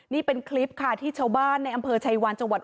นี่เป็นคลิปค่ะที่เจ้าบ้านในอ่ำเผอร์ชัยวันจอุดรธานี